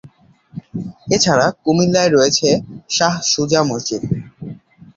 এ ছাড়া কুমিল্লায় রয়েছে শাহ সুজা মসজিদ।